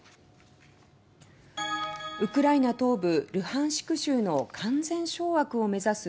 ウクライナ東部ルハンシク州の完全掌握を目指す